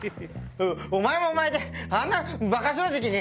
お前もお前で。